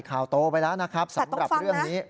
โตไปแล้วนะครับสำหรับเรื่องนี้